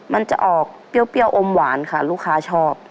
มันจะออกเปรี้ยวอมหวานค่ะลูกค้าชอบ